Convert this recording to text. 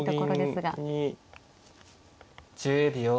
１０秒。